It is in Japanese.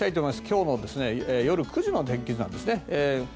今日の夜９時の天気図なんですね。